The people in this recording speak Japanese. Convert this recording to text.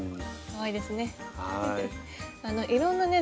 かわいいですね。